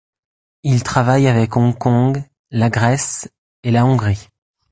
Il travaille avec Hong Kong, la Grèce et la Hongrie.